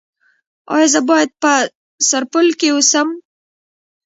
ایا زه باید په سرپل کې اوسم؟